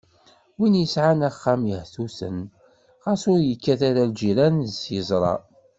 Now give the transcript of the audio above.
Win yesɛan axxam yehtutan, xas ur yekkat ara lǧiran s yeẓra